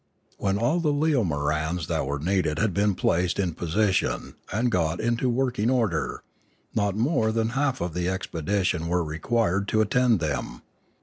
When all the leomorans that were needed had been placed in position and got into working order, not more than half of the expedition were required to attend to them.